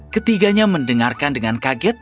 ketiganya mendengarkan dengan kaget